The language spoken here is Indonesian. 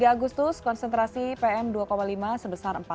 dua puluh tiga agustus konsentrasi pm dua lima sebesar lima puluh tiga